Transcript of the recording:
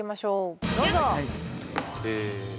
どうぞ！